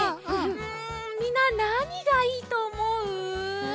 うんみんななにがいいとおもう？